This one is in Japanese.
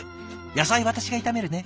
「野菜私が炒めるね」